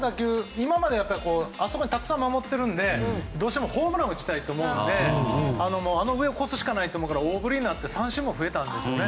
今までだったらあそこにたくさん守っていたのでどうしてもホームランを打ちたいと思うのであの上を越すしかないから大振りになって三振にもなったんですよね。